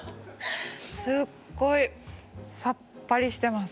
すっごいさっぱりしてます